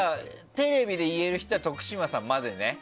テレビで言える人は徳島さんまでね？